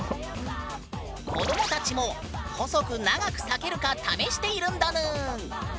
子どもたちも細く長くさけるか試しているんだぬん！